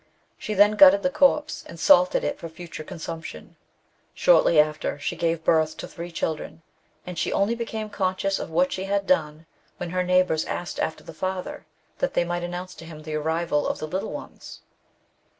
She then gutted the corpse, and salted it for future consumption. Shortly after, she gave birth to three children, and she only became conscious of what she had done when her neighbours asked after the father, that they might announce to him the arrival of the little ones.